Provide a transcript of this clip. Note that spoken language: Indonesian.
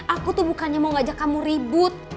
aku tuh bukannya mau ngajak kamu ribut